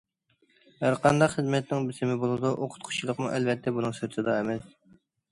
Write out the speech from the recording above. ھەر قانداق خىزمەتنىڭ بېسىمى بولىدۇ، ئوقۇتقۇچىلىقمۇ ئەلۋەتتە بۇنىڭ سىرتىدا ئەمەس.